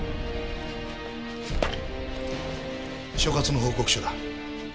所轄の報告書だ。